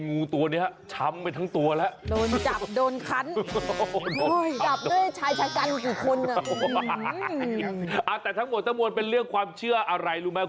มือกำลังนิดนะคุณลูก